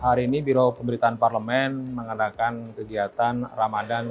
hari ini biro pemberitaan parlemen mengadakan kegiatan ramadan